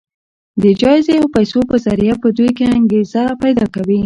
د جايزې او پيسو په ذريعه په دوی کې انګېزه پيدا کوي.